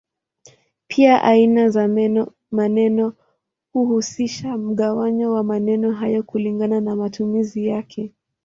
Pia aina za maneno huhusisha mgawanyo wa maneno hayo kulingana na matumizi yake.